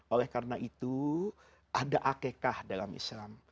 oleh karena itu ada akekah dalam islam